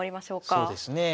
そうですね。